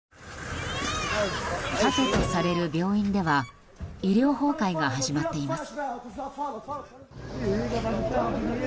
盾とされる病院では医療崩壊が始まっています。